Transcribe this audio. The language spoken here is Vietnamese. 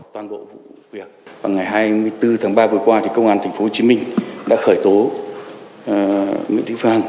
vào ngày hai mươi bốn tháng ba vừa qua công an tp hcm đã khởi tố nguyễn thị phạm